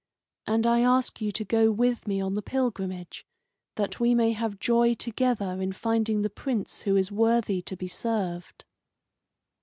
And I ask you to go with me on the pilgrimage, that we may have joy together in finding the Prince who is worthy to be served."